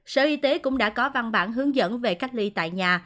sở y tế cũng đã có văn bản hướng dẫn về cách ly tại nhà